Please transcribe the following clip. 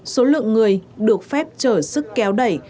số lượng người được phép chở sức kéo đẩy